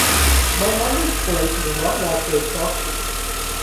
My mother's place is a lot like those boxes.